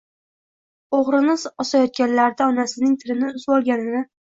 O‘g‘rini osayotganlarida onasining tilini uzvolganini…